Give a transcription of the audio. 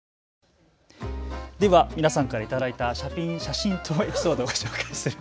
皆さんから頂いた写真とエピソードをご紹介する＃